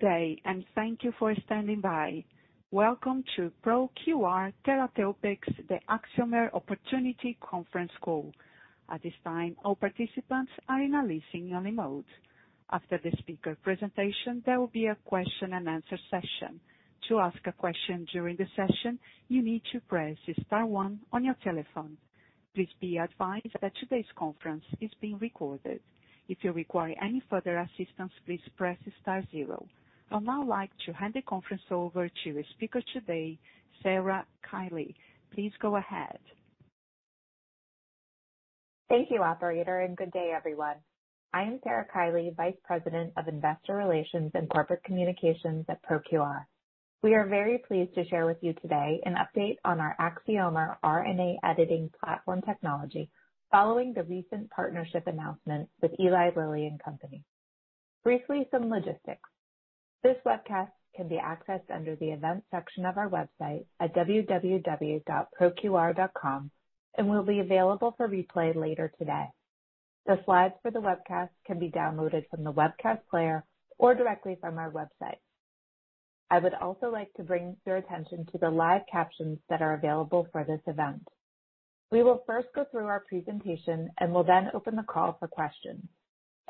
Good day, and thank you for standing by. Welcome to ProQR Therapeutics, the Axiomer Opportunity Conference Call. At this time all participants are in a listen-only mode. After the speaker presentation there will be a question and answer session. To ask a question during the session you need to press star one on your telephone, please be advised that todays conference is being recorded. If you require any further assistance please press star zero. I'd now like to hand the conference over to the speaker today, Sarah Kiely. Please go ahead. Thank you, operator. Good day, everyone. I am Sarah Kiely, Vice President of Investor Relations and Corporate Communications at ProQR. We are very pleased to share with you today an update on our Axiomer RNA editing platform technology following the recent partnership announcement with Eli Lilly and Company. Briefly, some logistics. This webcast can be accessed under the events section of our website at www.proqr.com and will be available for replay later today. The slides for the webcast can be downloaded from the webcast player or directly from our website. I would also like to bring your attention to the live captions that are available for this event. We will first go through our presentation and will then open the call for questions.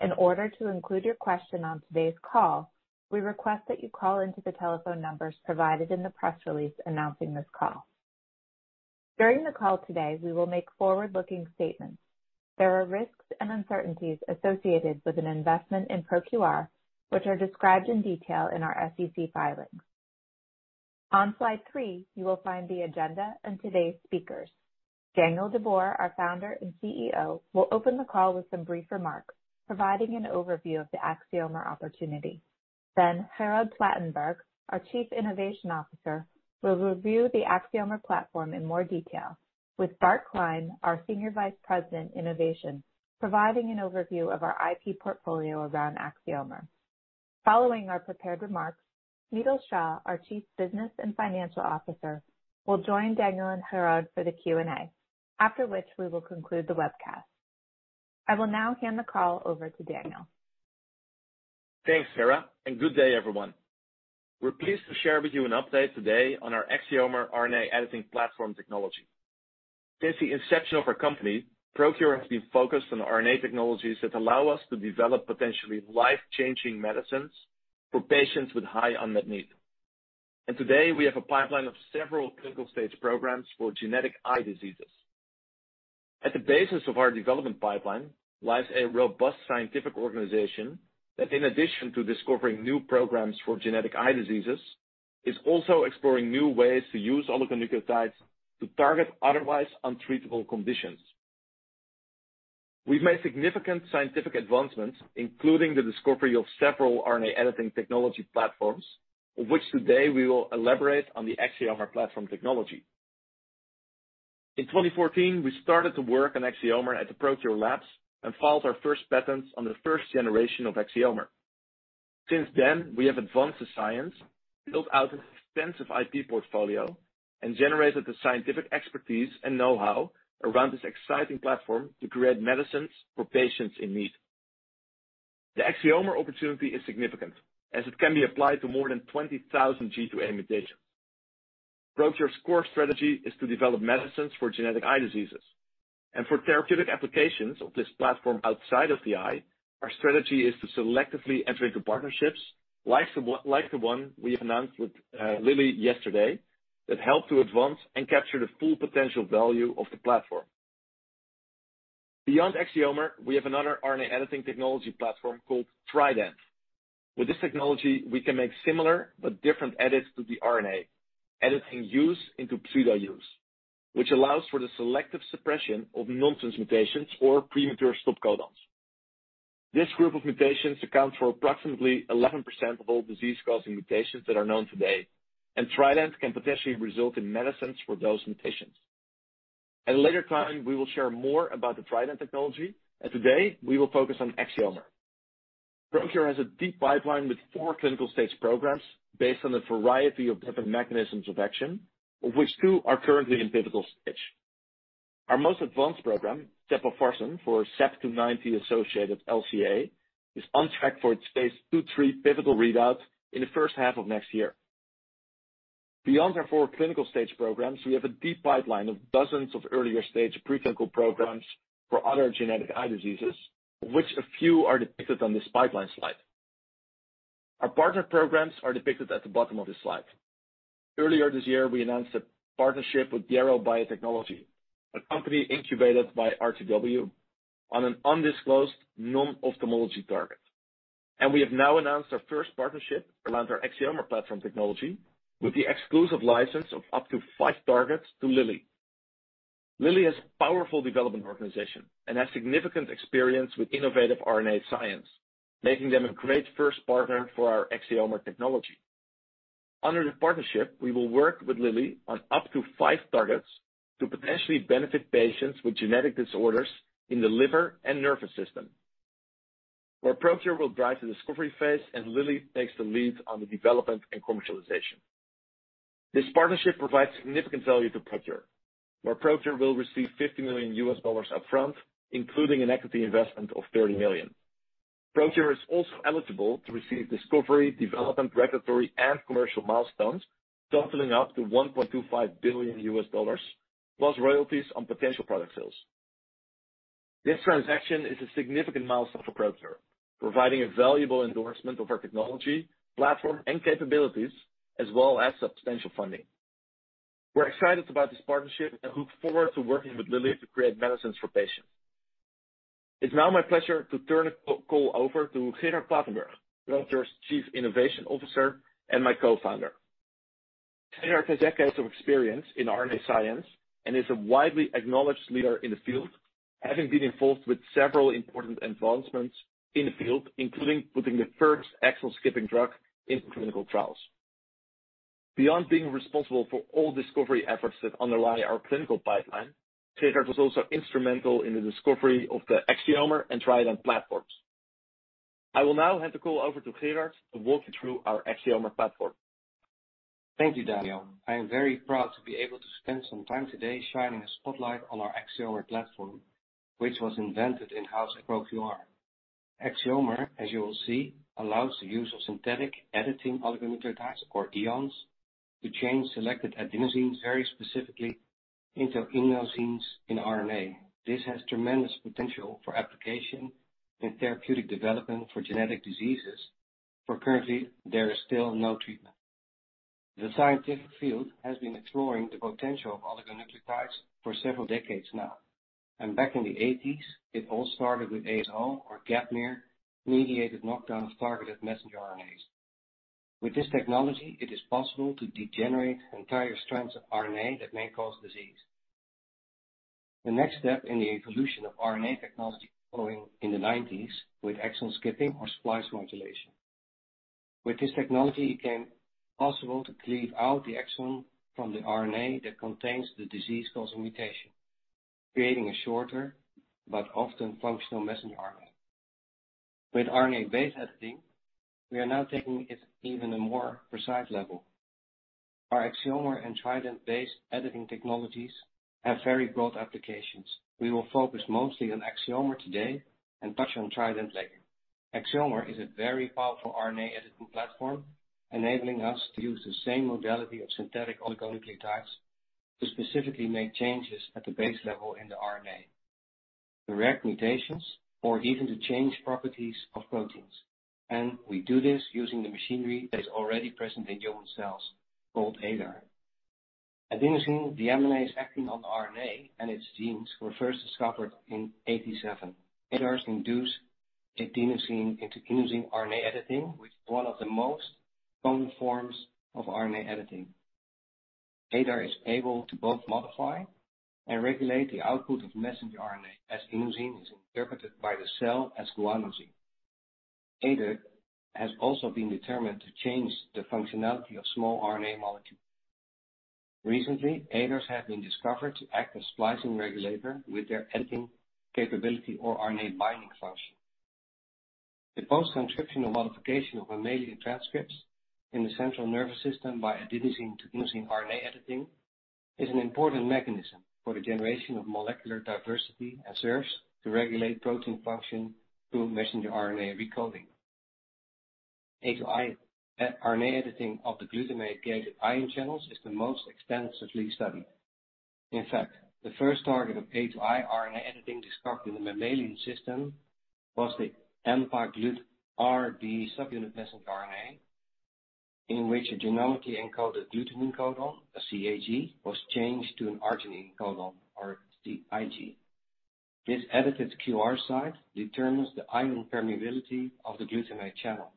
In order to include your question on today's call, we request that you call in to the telephone numbers provided in the press release announcing this call. During the call today, we will make forward-looking statements. There are risks and uncertainties associated with an investment in ProQR, which are described in detail in our SEC filings. On slide three, you will find the agenda and today's speakers. Daniel de Boer, our founder and CEO, will open the call with some brief remarks, providing an overview of the Axiomer opportunity. Gerard Platenburg, our Chief Innovation Officer, will review the Axiomer platform in more detail with Bart Klein, our Senior Vice President, Innovation, providing an overview of our IP portfolio around Axiomer. Following our prepared remarks, Smital Shah, our Chief Business and Financial Officer, will join Daniel and Gerard for the Q&A, after which we will conclude the webcast. I will now hand the call over to Daniel. Thanks, Sarah. Good day, everyone. We're pleased to share with you an update today on our Axiomer RNA editing platform technology. Since the inception of our company, ProQR has been focused on RNA technologies that allow us to develop potentially life-changing medicines for patients with high unmet need. Today, we have a pipeline of several clinical-stage programs for genetic eye diseases. At the basis of our development pipeline lies a robust scientific organization that, in addition to discovering new programs for genetic eye diseases, is also exploring new ways to use oligonucleotides to target otherwise untreatable conditions. We've made significant scientific advancements, including the discovery of several RNA editing technology platforms, of which today we will elaborate on the Axiomer platform technology. In 2014, we started to work on Axiomer at the ProQR labs and filed our first patents on the first generation of Axiomer. Since then, we have advanced the science, built out an extensive IP portfolio, and generated the scientific expertise and know-how around this exciting platform to create medicines for patients in need. The Axiomer opportunity is significant, as it can be applied to more than 20,000 G to A mutations. ProQR's core strategy is to develop medicines for genetic eye diseases. For therapeutic applications of this platform outside of the eye, our strategy is to selectively enter into partnerships like the one we announced with Lilly yesterday that help to advance and capture the full potential value of the platform. Beyond Axiomer, we have another RNA editing technology platform called Trident. With this technology, we can make similar but different edits to the RNA, editing U's into pseudo-U's, which allows for the selective suppression of nonsense mutations or premature stop codons. This group of mutations accounts for approximately 11% of all disease-causing mutations that are known today, and Trident can potentially result in medicines for those mutations. At a later time, we will share more about the Trident technology, and today, we will focus on Axiomer. ProQR has a deep pipeline with four clinical stage programs based on a variety of different mechanisms of action, of which two are currently in pivotal stage. Our most advanced program, sepofarsen for CEP290-associated LCA, is on track for its phase II-III pivotal readout in the first half of next year. Beyond our four clinical stage programs, we have a deep pipeline of dozens of earlier-stage preclinical programs for other genetic eye diseases, of which a few are depicted on this pipeline slide. Our partner programs are depicted at the bottom of this slide. Earlier this year, we announced a partnership with DRL Biotechnology, a company incubated by RTW, on an undisclosed non-ophthalmology target. We have now announced our first partnership around our Axiomer platform technology with the exclusive license of up to five targets to Lilly. Lilly has a powerful development organization and has significant experience with innovative RNA science, making them a great first partner for our Axiomer technology. Under the partnership, we will work with Lilly on up to five targets to potentially benefit patients with genetic disorders in the liver and nervous system, where ProQR will drive the discovery phase and Lilly takes the lead on the development and commercialization. This partnership provides significant value to ProQR, where ProQR will receive $50 million upfront, including an equity investment of $30 million. ProQR is also eligible to receive discovery, development, regulatory, and commercial milestones totaling up to $1.25 billion, plus royalties on potential product sales. This transaction is a significant milestone for ProQR, providing a valuable endorsement of our technology, platform, and capabilities, as well as substantial funding. We're excited about this partnership and look forward to working with Lilly to create medicines for patients. It's now my pleasure to turn the call over to Gerard Platenburg, ProQR's Chief Innovation Officer and my co-founder. Gerard has decades of experience in RNA science and is a widely acknowledged leader in the field, having been involved with several important advancements in the field, including putting the first exon-skipping drug into clinical trials. Beyond being responsible for all discovery efforts that underlie our clinical pipeline, Gerard was also instrumental in the discovery of the Axiomer and Trident platforms. I will now hand the call over to Gerard to walk you through our Axiomer platform. Thank you, Daniel. I am very proud to be able to spend some time today shining a spotlight on our Axiomer platform, which was invented in-house at ProQR. Axiomer, as you will see, allows the use of synthetic editing oligonucleotides, or EONs, to change selected adenosines very specifically into inosines in RNA. This has tremendous potential for application in therapeutic development for genetic diseases, for currently there is still no treatment. The scientific field has been exploring the potential of oligonucleotides for several decades now. Back in the 1980s, it all started with ASO or gapmer mediated knockdown of targeted messenger RNAs. With this technology, it is possible to degenerate entire strands of RNA that may cause disease. The next step in the evolution of RNA technology following in the 1990s with exon skipping or splice modulation. With this technology, it became possible to cleave out the exon from the RNA that contains the disease-causing mutation, creating a shorter but often functional messenger RNA. With RNA-based editing, we are now taking it to an even more precise level. Our Axiomer and Trident-based editing technologies have very broad applications. We will focus mostly on Axiomer today and touch on Trident later. Axiomer is a very powerful RNA editing platform enabling us to use the same modality of synthetic oligonucleotides to specifically make changes at the base level in the RNA, correct mutations, or even to change properties of proteins. We do this using the machinery that is already present in human cells, called ADAR. Adenosine Deaminase Acting on RNA and its genes were first discovered in 1987. ADARs induce adenosine into inosine RNA editing, which is one of the most common forms of RNA editing. ADAR is able to both modify and regulate the output of messenger RNA, as inosine is interpreted by the cell as guanosine. ADAR has also been determined to change the functionality of small RNA molecules. Recently, ADARs have been discovered to act as a splicing regulator with their editing capability or RNA binding function. The post-transcriptional modification of mammalian transcripts in the central nervous system by Adenosine-to-inosine RNA editing is an important mechanism for the generation of molecular diversity and serves to regulate protein function through messenger RNA recoding. A-to-I RNA editing of the glutamate-gated ion channels is the most extensively studied. In fact, the first target of A-to-I RNA editing discovered in the mammalian system was the AMPA GluR2 subunit messenger RNA, in which a genomically encoded glutamine codon, a CAG, was changed to an arginine codon, or the AG. This edited Q/R site determines the ion permeability of the glutamate channel.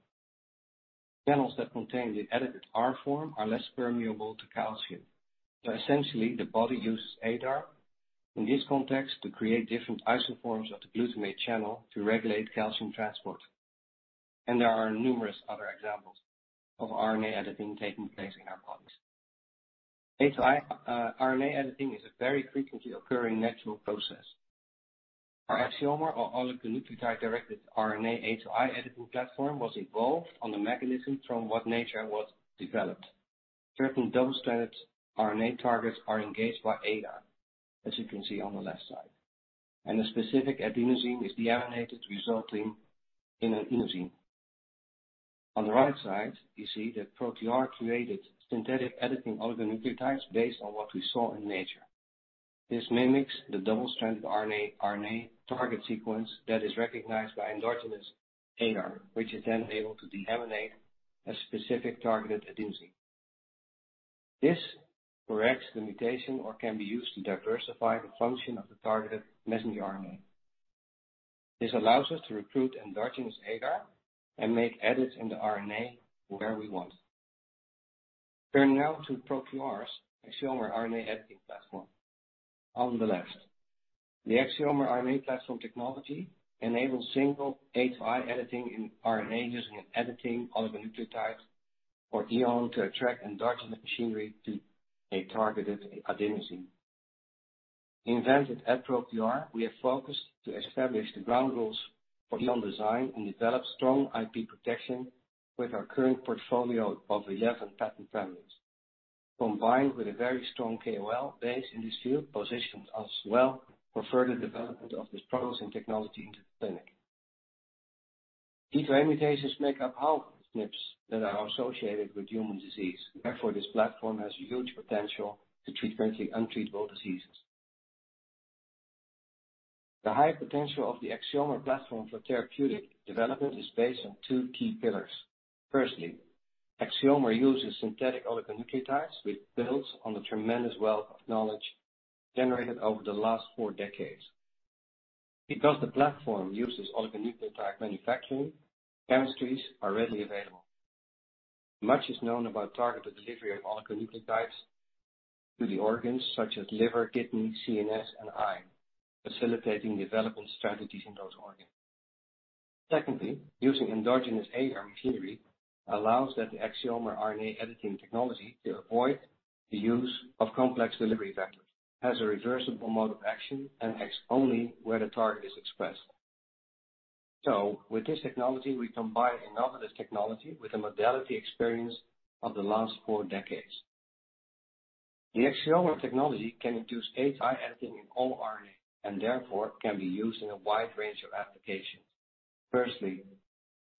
Channels that contain the edited R form are less permeable to calcium. Essentially, the body uses ADAR in this context to create different isoforms of the glutamate channel to regulate calcium transport. There are numerous other examples of RNA editing taking place in our bodies. A-to-I RNA editing is a very frequently occurring natural process. Our Axiomer or oligonucleotide-directed RNA A-to-I editing platform was evolved on the mechanism from what nature was developed. Certain double-stranded RNA targets are engaged by ADAR, as you can see on the left side, and a specific adenosine is deaminated, resulting in an inosine. On the right side, you see that ProQR created synthetic editing oligonucleotides based on what we saw in nature. This mimics the double-stranded RNA target sequence that is recognized by endogenous ADAR, which is then able to deaminate a specific targeted adenosine. This corrects the mutation or can be used to diversify the function of the targeted messenger RNA. This allows us to recruit endogenous ADAR and make edits in the RNA where we want. Turning now to ProQR's Axiomer RNA editing platform. On the left, the Axiomer RNA platform technology enables single A-to-I editing in RNA using an editing oligonucleotide or EON to attract endogenous machinery to a targeted adenosine. Invented at ProQR, we have focused to establish the ground rules for EON design and develop strong IP protection with our current portfolio of 11 patent families. This, combined with a very strong KOL base in this field, positions us well for further development of this promising technology into the clinic. G to A mutations make up half of the SNPs that are associated with human disease. Therefore, this platform has huge potential to treat currently untreatable diseases. The high potential of the Axiomer platform for therapeutic development is based on two key pillars. Firstly, Axiomer uses synthetic oligonucleotides, which builds on the tremendous wealth of knowledge generated over the last four decades. Because the platform uses oligonucleotide manufacturing, chemistries are readily available. Much is known about targeted delivery of oligonucleotides to the organs such as liver, kidney, CNS, and eye, facilitating development strategies in those organs. Secondly, using endogenous ADAR machinery allows that the Axiomer RNA editing technology to avoid the use of complex delivery vectors, has a reversible mode of action, and acts only where the target is expressed. With this technology, we combine innovative technology with a modality experience of the last four decades. The Axiomer technology can induce A-to-I editing in all RNA, and therefore can be used in a wide range of applications. Firstly,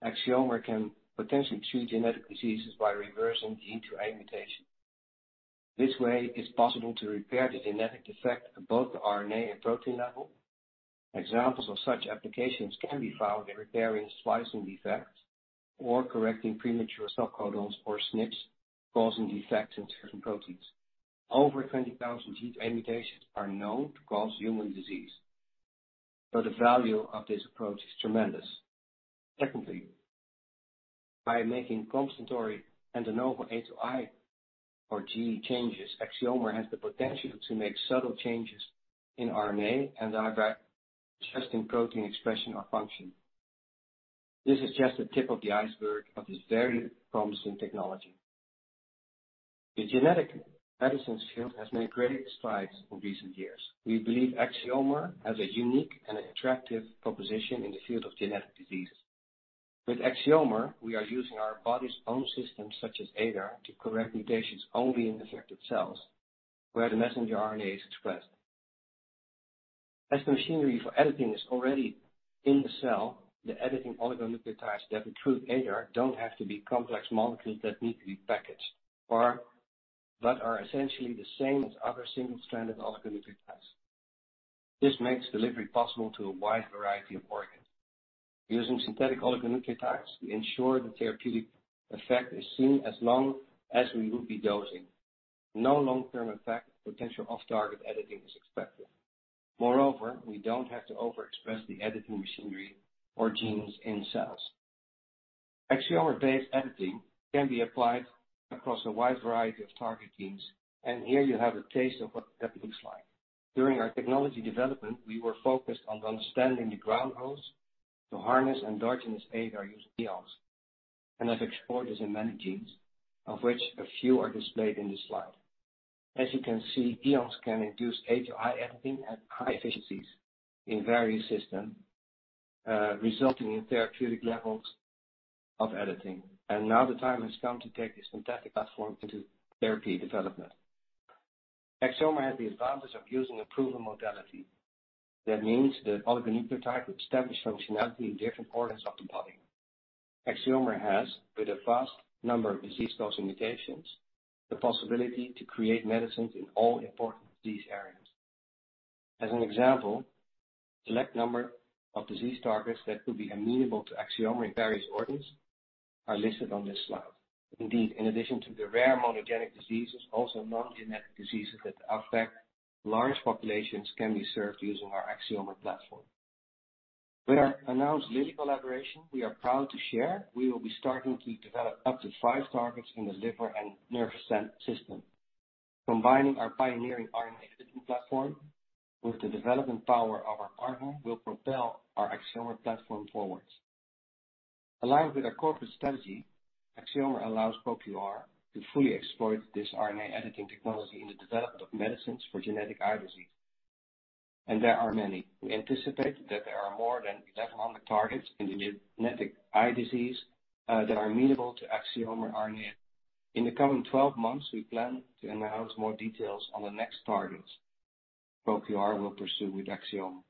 Axiomer can potentially treat genetic diseases by reversing G-to-A mutations. This way it's possible to repair the genetic defect at both the RNA and protein level. Examples of such applications can be found in repairing splicing defects or correcting premature stop codons or SNPs causing defects in certain proteins. Over 20,000 G-to-A mutations are known to cause human disease, so the value of this approach is tremendous. Secondly, by making compensatory and de novo A-to-I or G changes, Axiomer has the potential to make subtle changes in RNA and thereby adjusting protein expression or function. This is just the tip of the iceberg of this very promising technology. The genetic medicines field has made great strides in recent years. We believe Axiomer has a unique and attractive proposition in the field of genetic diseases. With Axiomer, we are using our body's own systems such as ADAR to correct mutations only in affected cells, where the messenger RNA is expressed. As the machinery for editing is already in the cell, the editing oligonucleotides that recruit ADAR don't have to be complex molecules that need to be packaged, but are essentially the same as other single-stranded oligonucleotides. This makes delivery possible to a wide variety of organs. Using synthetic oligonucleotides, we ensure the therapeutic effect is seen as long as we would be dosing. No long-term effect of potential off-target editing is expected. Moreover, we don't have to overexpress the editing machinery or genes in cells. Axiomer-based editing can be applied across a wide variety of target genes, and here you have a taste of what that looks like. During our technology development, we were focused on understanding the ground rules to harness endogenous ADAR using EONs, and have explored this in many genes, of which a few are displayed in this slide. As you can see, EONs can induce A-to-I editing at high efficiencies in various systems, resulting in therapeutic levels of editing. Now the time has come to take this fantastic platform into therapy development. Axiomer has the advantage of using a proven modality. That means the oligonucleotide with established functionality in different organs of the body. Axiomer has, with a vast number of disease-causing mutations, the possibility to create medicines in all important disease areas. As an example, select number of disease targets that could be amenable to Axiomer in various organs are listed on this slide. Indeed, in addition to the rare monogenic diseases, also non-genetic diseases that affect large populations can be served using our Axiomer platform. With our announced Lilly collaboration, we are proud to share we will be starting to develop up to five targets in the liver and nervous system. Combining our pioneering RNA editing platform with the development power of our partner will propel our Axiomer platform forward. Aligned with our corporate strategy, Axiomer allows ProQR to fully exploit this RNA editing technology in the development of medicines for genetic eye disease. There are many. We anticipate that there are more than 1,100 targets in the genetic eye disease that are amenable to Axiomer RNA. In the coming 12 months, we plan to announce more details on the next targets ProQR will pursue with Axiomer.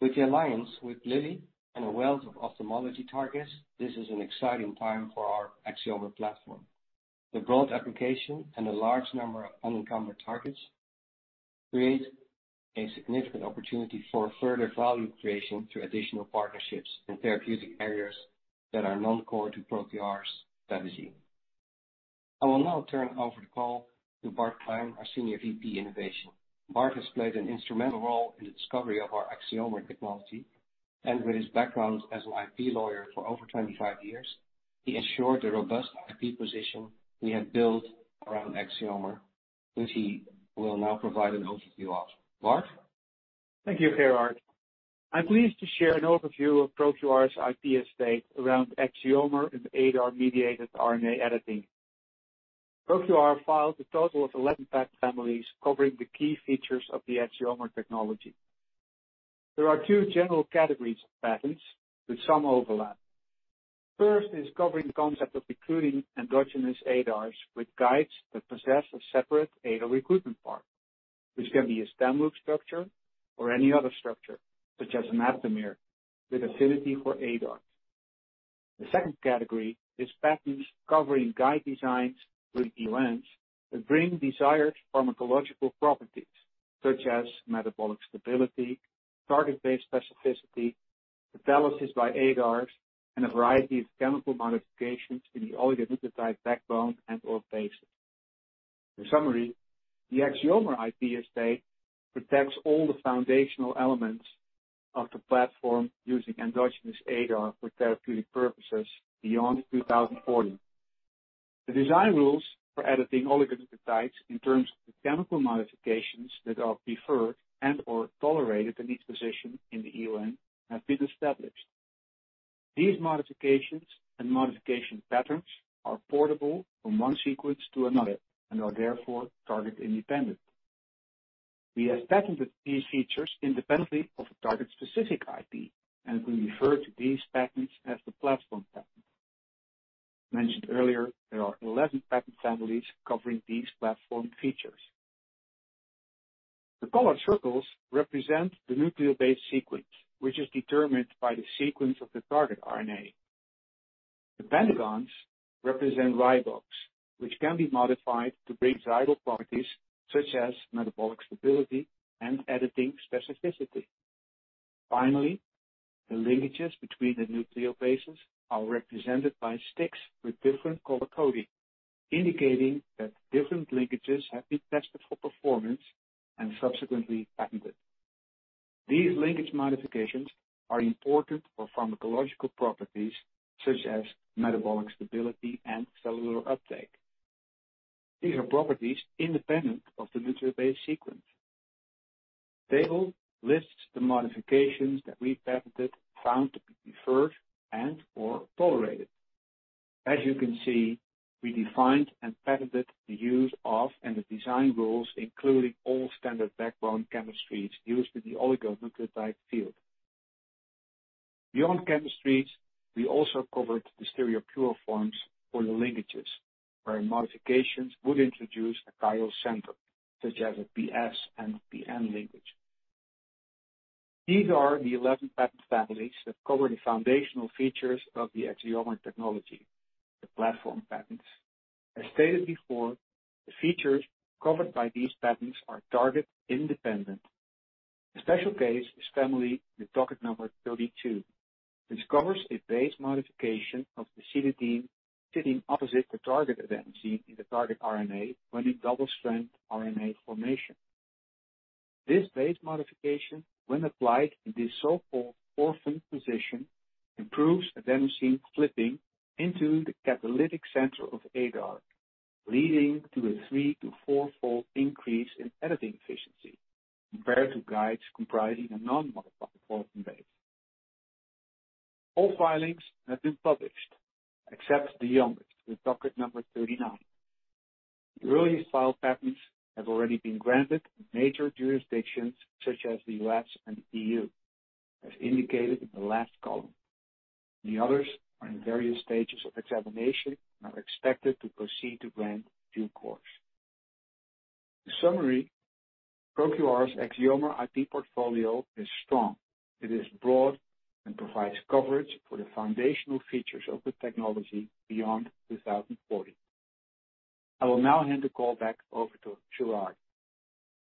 With the alliance with Lilly and a wealth of ophthalmology targets, this is an exciting time for our Axiomer platform. The broad application and a large number of unincumbent targets create a significant opportunity for further value creation through additional partnerships in therapeutic areas that are non-core to ProQR's strategy. I will now turn over the call to Bart Klein, our Senior VP Innovation. Bart has played an instrumental role in the discovery of our Axiomer technology, and with his background as an IP lawyer for over 25 years, he ensured the robust IP position we have built around Axiomer, which he will now provide an overview of. Bart? Thank you, Gerard. I'm pleased to share an overview of ProQR's IP estate around Axiomer and ADAR-mediated RNA editing. ProQR filed a total of 11 patent families covering the key features of the Axiomer technology. There are two general categories of patents with some overlap. First is covering the concept of recruiting endogenous ADARs with guides that possess a separate ADAR recruitment part, which can be a stem-loop structure or any other structure, such as an aptamer, with affinity for ADAR. The second category is patents covering guide designs with EONs that bring desired pharmacological properties such as metabolic stability, target-based specificity, catalysis by ADARs, and a variety of chemical modifications in the oligonucleotide backbone and/or bases. In summary, the Axiomer IP estate protects all the foundational elements of the platform using endogenous ADAR for therapeutic purposes beyond 2040. The design rules for editing oligonucleotides in terms of the chemical modifications that are preferred and/or tolerated in each position in the EON have been established. These modifications and modification patterns are portable from one sequence to another and are therefore target independent. We have patented these features independently of a target-specific IP and we refer to these patents as the platform patent. Mentioned earlier, there are 11 patent families covering these platform features. The colored circles represent the nucleobase sequence, which is determined by the sequence of the target RNA. The pentagons represent ribose, which can be modified to bring desired properties such as metabolic stability and editing specificity. Finally, the linkages between the nucleobases are represented by sticks with different color coding, indicating that different linkages have been tested for performance and subsequently patented. These linkage modifications are important for pharmacological properties such as metabolic stability and cellular uptake. These are properties independent of the nucleobase sequence. The table lists the modifications that we patented found to be preferred and/or tolerated. As you can see, we defined and patented the use of and the design rules, including all standard background chemistries used in the oligonucleotide field. Beyond chemistries, we also covered the stereopure forms for the linkages, where modifications would introduce a chiral center, such as a PS and PN linkage. These are the 11 patent families that cover the foundational features of the Axiomer technology, the platform patents. As stated before, the features covered by these patents are target independent. The special case is family with docket number 32, which covers a base modification of the cytidine sitting opposite the target adenosine in the target RNA when in double-strand RNA formation. This base modification, when applied in this so-called orphan position, improves adenosine flipping into the catalytic center of ADAR, leading to a three to four-fold increase in editing efficiency compared to guides comprising a non-modified orphan base. All filings have been published except the youngest, with docket number 39. The earliest file patents have already been granted in major jurisdictions such as the U.S. and the EU, as indicated in the last column. The others are in various stages of examination and are expected to proceed to grant due course. In summary, ProQR's Axiomer IP portfolio is strong. It is broad and provides coverage for the foundational features of the technology beyond 2040. I will now hand the call back over to Gerard.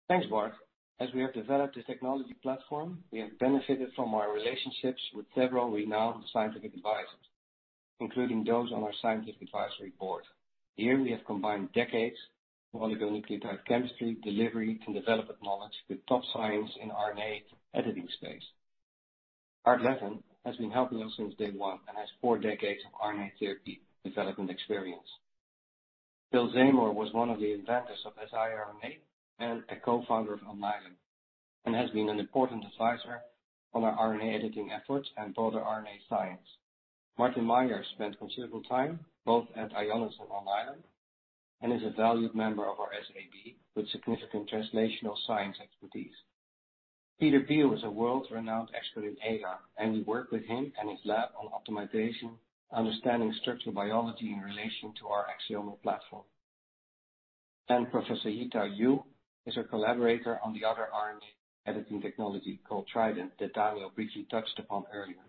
Thanks, Bart. As we have developed this technology platform, we have benefited from our relationships with several renowned scientific advisors, including those on our Scientific Advisory Board. Here, we have combined decades of oligonucleotide chemistry, delivery, and development knowledge with top science in RNA editing space. Art Levin has been helping us since day one and has four decades of RNA therapy development experience. Phil Zamore was one of the inventors of siRNA and a co-founder of Alnylam, and has been an important advisor on our RNA editing efforts and broader RNA science. Martin Maier spent considerable time both at Ionis and Alnylam and is a valued member of our SAB with significant translational science expertise. Peter Beal is a world-renowned expert in ADAR, and we work with him and his lab on optimization, understanding structural biology in relation to our Axiomer platform. Professor Yi-Tao Yu is a collaborator on the other RNA editing technology called Trident that Daniel briefly touched upon earlier.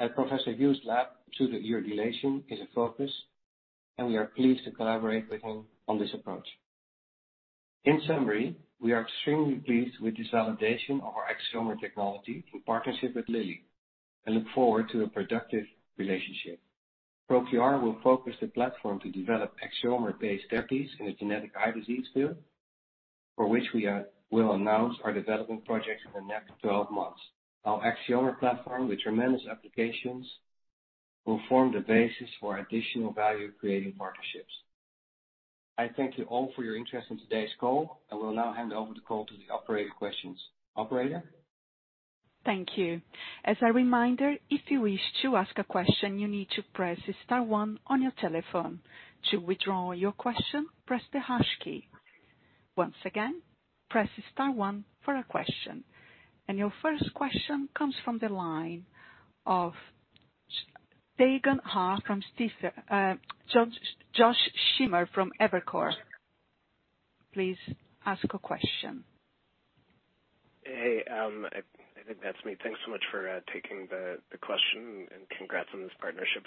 At Professor Yu's lab, pseudouridylation is a focus, and we are pleased to collaborate with him on this approach. In summary, we are extremely pleased with this validation of our Axiomer technology through partnership with Lilly and look forward to a productive relationship. ProQR will focus the platform to develop Axiomer-based therapies in the genetic eye disease field, for which we will announce our development projects in the next 12 months. Our Axiomer platform, with tremendous applications, will form the basis for additional value-creating partnerships. I thank you all for your interest in today's call. I will now hand over the call to the operator questions. Operator? Thank you. As a reminder, if you wish to ask a question, you need to press star one on your telephone. To withdraw your question, press the hash key. Once again, press star one for a question. Your first question comes from the line of Josh Schimmer from Evercore. Please ask a question. Hey, I think that's me. Thanks so much for taking the question and congrats on this partnership.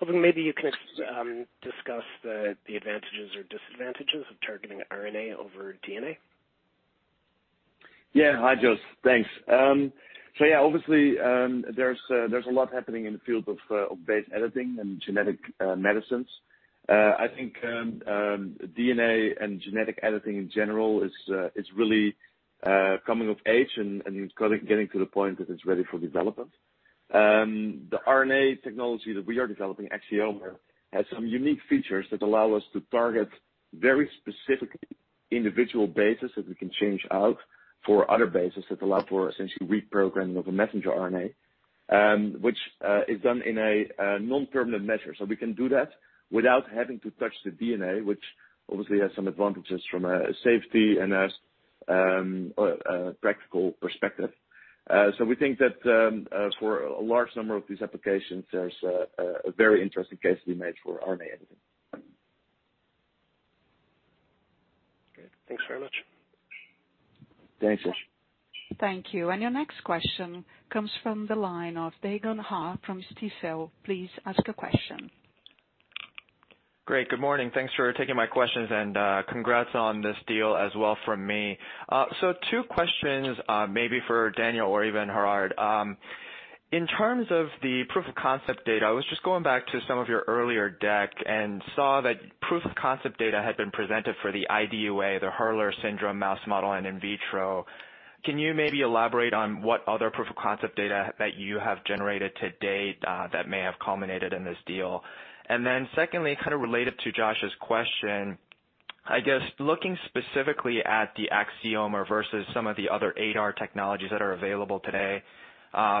Hoping maybe you can discuss the advantages or disadvantages of targeting RNA over DNA. Hi, Josh. Thanks. Obviously, there's a lot happening in the field of base editing and genetic medicines. I think DNA and genetic editing in general is really coming of age, and it's getting to the point that it's ready for development. The RNA technology that we are developing, Axiomer, has some unique features that allow us to target very specific individual bases that we can change out for other bases that allow for essentially reprogramming of a messenger RNA, which is done in a non-permanent measure. We can do that without having to touch the DNA, which obviously has some advantages from a safety and as a practical perspective. We think that for a large number of these applications, there's a very interesting case to be made for RNA editing. Great. Thanks very much. Thanks, Josh. Thank you. Your next question comes from the line of Dae Gon Ha from Stifel. Please ask a question. Great. Good morning. Thanks for taking my questions. Congrats on this deal as well from me. Two questions maybe for Daniel de Boer or even Gerard Platenburg. In terms of the proof of concept data, I was just going back to some of your earlier deck and saw that proof of concept data had been presented for the IDUA, the Hurler syndrome mouse model, and in vitro. Can you maybe elaborate on what other proof of concept data that you have generated to date, that may have culminated in this deal? Secondly, kind of related to Josh Schimmer's question, I guess looking specifically at the Axiomer versus some of the other ADAR technologies that are available today,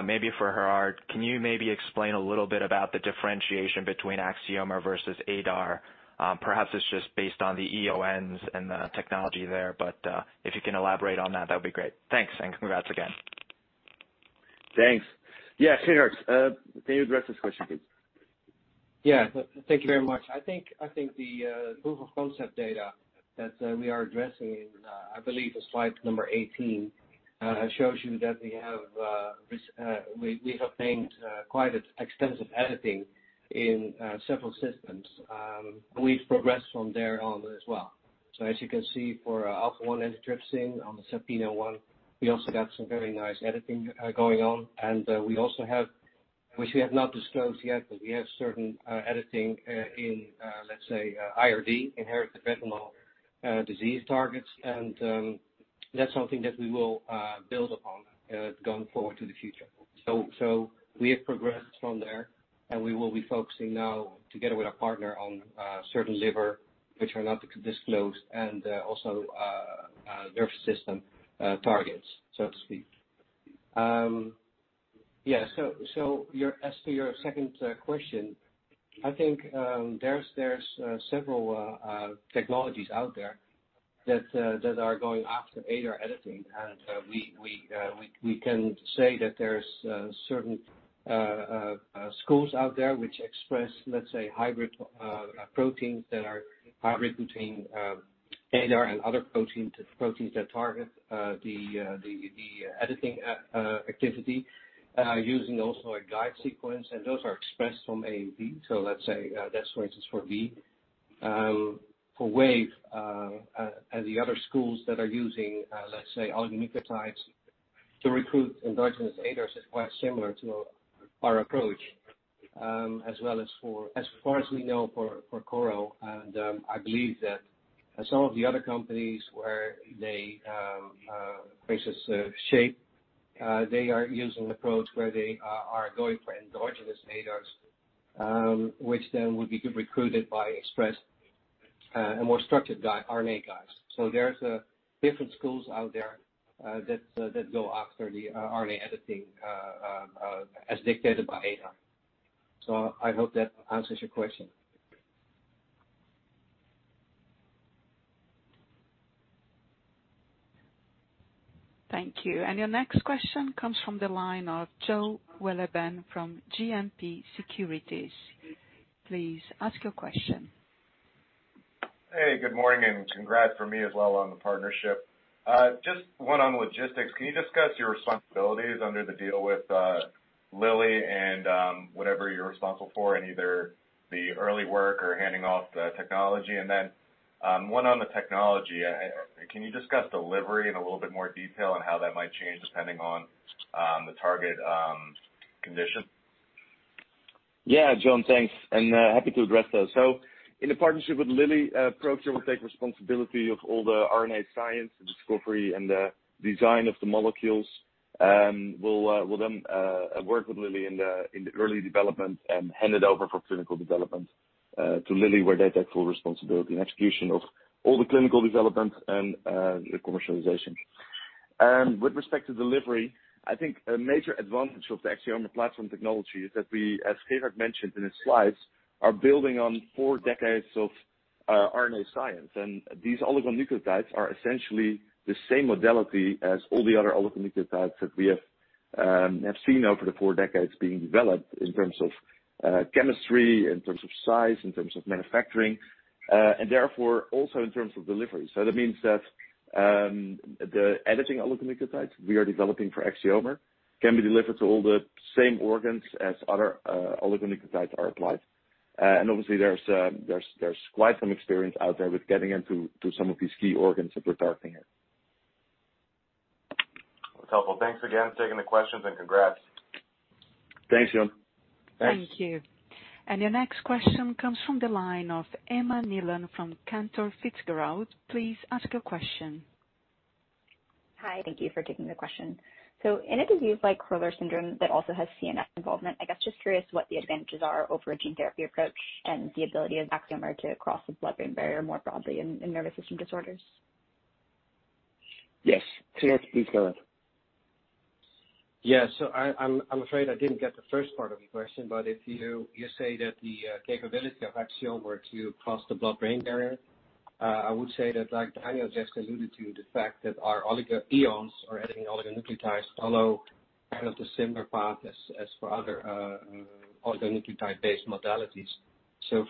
maybe for Gerard Platenburg, can you maybe explain a little bit about the differentiation between Axiomer versus ADAR? Perhaps it's just based on the EONs and the technology there, but, if you can elaborate on that'd be great. Thanks, and congrats again. Thanks. Yeah, Gerard, can you address this question, please? Thank you very much. I think the proof of concept data that we are addressing in, I believe it's slide number 18, shows you that we have made quite extensive editing in several systems. We've progressed from there on as well. As you can see for alpha-1 antitrypsin on the CETP-001, we also got some very nice editing going on, and we also have, which we have not disclosed yet, but we have certain editing, in, let's say, IMD, inherited metabolic disease targets. That's something that we will build upon going forward to the future. We have progressed from there, and we will be focusing now together with a partner on certain liver, which are not disclosed, and also nerve system targets, so to speak. As to your second question, I think there's several technologies out there that are going after ADAR editing We can say that there's certain schools out there which express, let's say, hybrid proteins that are hybrid between ADAR and other proteins that target the editing activity, using also a guide sequence, and those are expressed from AAV. Let's say that's for instance, for Wave Life Sciences, the other schools that are using, let's say, oligonucleotides to recruit endogenous ADARs is quite similar to our approach, as well as for, as far as we know, for Korro Bio. I believe that some of the other companies where they, for instance Shape Therapeutics, they are using approach where they are going for endogenous ADARs, which then would be recruited by express, a more structured RNA guides. There's different schools out there that go after the RNA editing as dictated by ADAR. I hope that answers your question. Thank you. Your next question comes from the line of Jon Wolleben from JMP Securities. Please ask your question. Hey, good morning, and congrats from me as well on the partnership. Just one on logistics. Can you discuss your responsibilities under the deal with Lilly and whatever you're responsible for in either the early work or handing off the technology? One on the technology. Can you discuss delivery in a little bit more detail on how that might change depending on the target condition? Yeah Jon, thanks. Happy to address those. In the partnership with Eli Lilly and Company, ProQR Therapeutics will take responsibility of all the RNA science, the discovery, and the design of the molecules. We'll then work with Eli Lilly and Company in the early development and hand it over for clinical development to Eli Lilly and Company, where they take full responsibility and execution of all the clinical development and the commercialization. With respect to delivery, I think a major advantage of the Axiomer platform technology is that we, as Gerard Platenburg had mentioned in his slides, are building on four decades of RNA science. These oligonucleotides are essentially the same modality as all the other oligonucleotides that we have seen over the four decades being developed in terms of chemistry, in terms of size, in terms of manufacturing and therefore, also in terms of delivery. That means that the editing oligonucleotides we are developing for Axiomer can be delivered to all the same organs as other oligonucleotides are applied. Obviously, there's quite some experience out there with getting into some of these key organs that we're targeting here. That's helpful. Thanks again for taking the questions and congrats. Thanks, Jon. Thank you. Your next question comes from the line of Emma Nealon from Cantor Fitzgerald. Please ask your question. Hi, thank you for taking the question. In a disease like Crigler-Najjar syndrome, that also has CNS involvement, I guess just curious what the advantages are over a gene therapy approach and the ability of Axiomer to cross the blood-brain barrier more broadly in nervous system disorders? Yes. Gerard, please go ahead. Yeah. I'm afraid I didn't get the first part of your question, but if you say that the capability of Axiomer to cross the blood-brain barrier, I would say that like Daniel just alluded to, the fact that our EONs or Editing Oligonucleotides follow kind of the similar path as for other oligonucleotide-based modalities.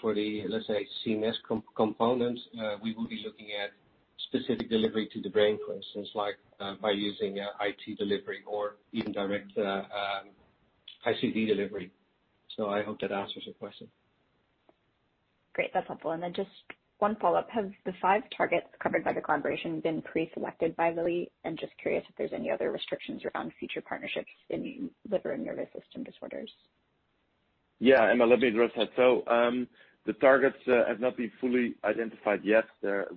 For the, let's say, CNS component, we will be looking at specific delivery to the brain, for instance, by using intrathecal delivery or even direct ICV delivery. I hope that answers your question. Great. That's helpful. Just one follow-up. Have the five targets covered by the collaboration been pre-selected by Lilly? I'm just curious if there's any other restrictions around future partnerships in liver and nervous system disorders. Yeah, Emma, let me address that. The targets have not been fully identified yet.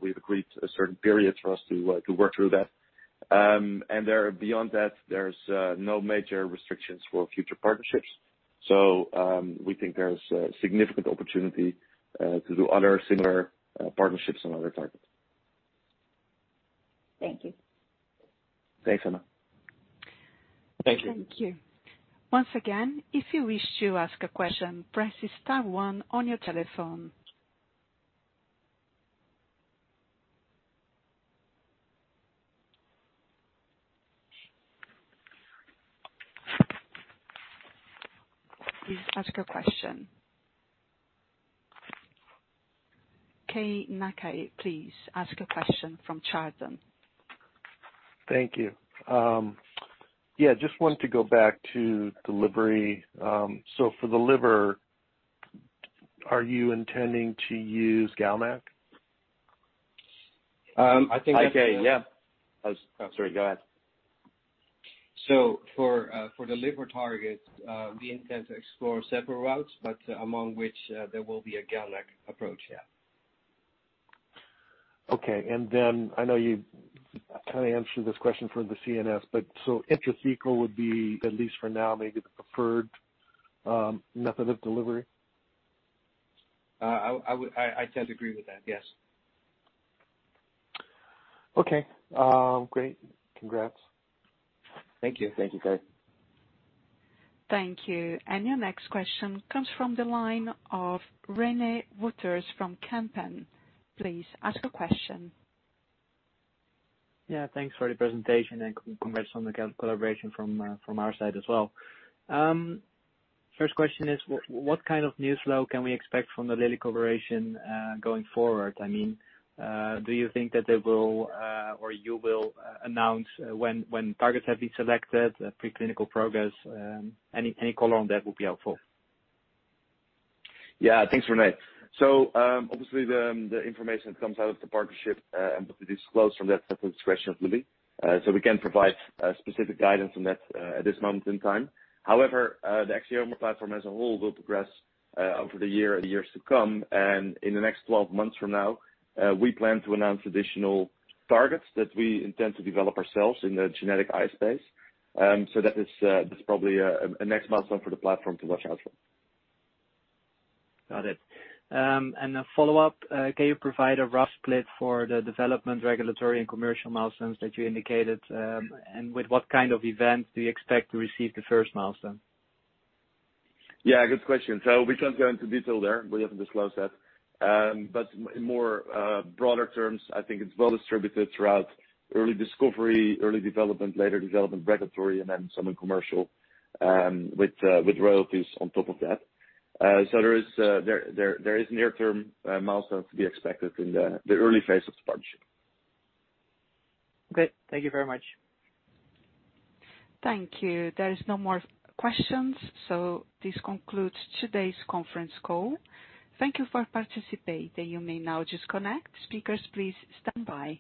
We've agreed a certain period for us to work through that. Beyond that, there's no major restrictions for future partnerships. We think there's a significant opportunity to do other similar partnerships on other targets. Thank you. Thanks, Emma. Thank you. Once again if you wish to ask a question please press star one on your telephone. Please ask your question. Keay Nakae, please ask a question from Chardan. Thank you. Yeah, just wanted to go back to delivery. For the liver, are you intending to use GalNAc? I think- Okay. Yeah. Oh, sorry. Go ahead. For the liver target, we intend to explore several routes, but among which there will be a GalNAc approach, yeah. Okay. I know you kind of answered this question for the CNS, but intrathecal would be, at least for now, maybe the preferred method of delivery? I'd tend to agree with that. Yes. Okay. Great. Congrats. Thank you. Thank you, Keay. Thank you. Your next question comes from the line of René Wouters from Kempen. Please ask your question. Yeah, thanks for the presentation and congrats on the collaboration from our side as well. First question is, what kind of news flow can we expect from the Lilly collaboration, going forward? Do you think that they will or you will announce when targets have been selected, pre-clinical progress, any color on that would be helpful? Yeah, thanks, René. Obviously the information that comes out of the partnership and what we disclose from that at the discretion of Lilly. We can't provide specific guidance on that at this moment in time. However, the Axiomer platform as a whole will progress over the year and the years to come. In the next 12 months from now, we plan to announce additional targets that we intend to develop ourselves in the genetic eye space. That is probably a next milestone for the platform to watch out for. Got it. A follow-up, can you provide a rough split for the development, regulatory, and commercial milestones that you indicated? With what kind of event do you expect to receive the first milestone? Yeah, good question. We can't go into detail there. We haven't disclosed that. In more broader terms, I think it's well distributed throughout early discovery, early development, later development, regulatory, and then some in commercial, with royalties on top of that. There is near-term milestones to be expected in the early phase of this partnership. Good. Thank you very much. Thank you. There is no more questions. This concludes today's conference call. Thank you for participating. You may now disconnect. Speakers, please standby.